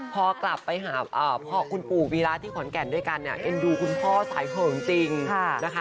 พอกลับไปหาพ่อคุณปู่วีระที่ขอนแก่นด้วยกันเนี่ยเอ็นดูคุณพ่อสายเผิงจริงนะคะ